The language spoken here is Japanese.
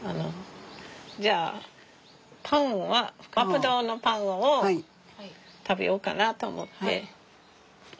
じゃあパンはわっぱ堂のパンを食べようかなと思って。